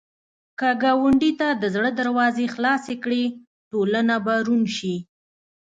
که ګاونډي ته د زړه دروازې خلاصې کړې، ټولنه به روڼ شي